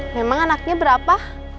memang anaknya berapa